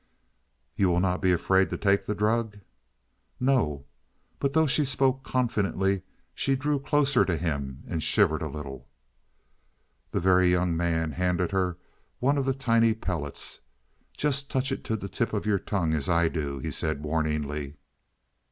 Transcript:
"You will not be afraid to take the drug?" "No." But though she spoke confidently, she drew closer to him and shivered a little. The Very Young Man handed her one of the tiny pellets. "Just touch it to the tip of your tongue as I do," he said warningly.